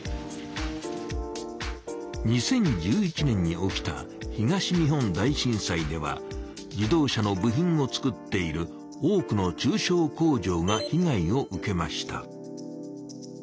２０１１年に起きた東日本大震災では自動車の部品を作っている多くの中小工場が被害を受けました。